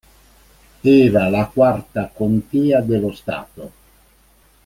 Era la quarta contea dello Stato.